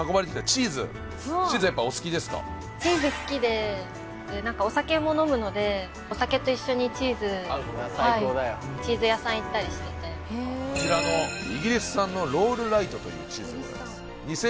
チーズ好きで何かお酒も飲むのでお酒と一緒にチーズはい合うものをチーズ屋さん行ったりしててこちらのイギリス産のロールライトというチーズでございます